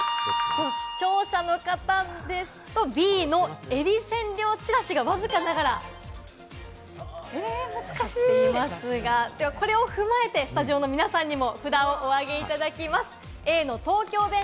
視聴者の方ですと、Ｂのえび千両ちらしがわずかながら勝っていますが、これを踏まえて、スタジオの皆さんにも札をお上げいただきます。